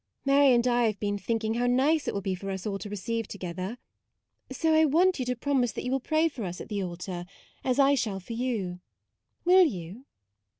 Mary and I have been think ing how nice it will be for us all to receive together: so I want you to 70 MAUDE promise that you will pray for us at the altar, as I shall for you. Will you